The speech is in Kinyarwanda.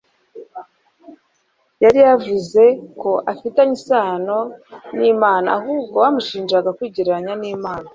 yari yavuzeko afitanye iyo sano n’Imana. Ahubwo bamushinjaga kwigereranya n’Imana